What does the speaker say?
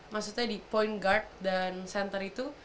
maksudnya di point guard dan center itu